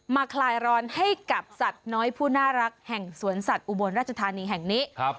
คลายร้อนให้กับสัตว์น้อยผู้น่ารักแห่งสวนสัตว์อุบลราชธานีแห่งนี้